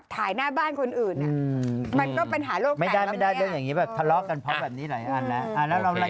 ตัวหนังสือก็ใหญ่แล้วนะ